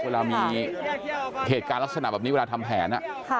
เวลามีเหตุการณ์ลักษณะแบบนี้เวลาทำแผน